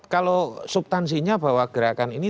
kalau subtansinya bahwa gerakan ini